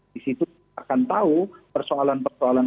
disitu akan tahu persoalan persoalan